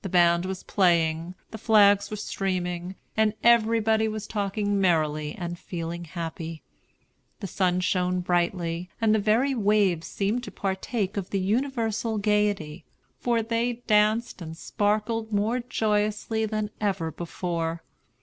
The band was playing, the flags were streaming, and everybody was talking merrily and feeling happy. The sun shone brightly, and the very waves seemed to partake of the universal gayety, for they danced and sparkled more joyously than ever before.